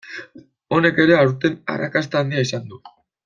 Honek ere aurten arrakasta handia izan du.